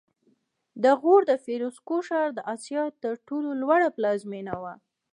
د غور د فیروزکوه ښار د اسیا تر ټولو لوړ پلازمېنه وه